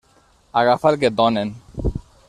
Agafa el que et donen.